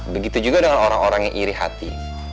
begitu juga dengan orang orang yang iri hati